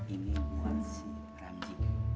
ini buat si ramji